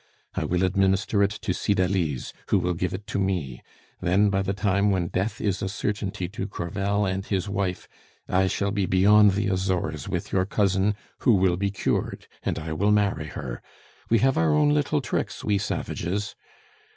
I will administer it to Cydalise, who will give it to me; then by the time when death is a certainty to Crevel and his wife, I shall be beyond the Azores with your cousin, who will be cured, and I will marry her. We have our own little tricks, we savages!